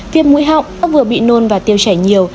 viêm mũi họng ốc vừa bị nôn và tiêu chảy nhiều